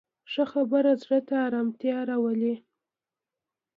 ښه خبره زړه ته ارامتیا راولي